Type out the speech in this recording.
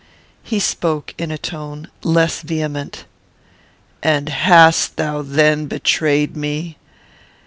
He spoke in a tone less vehement: "And hast thou then betrayed me?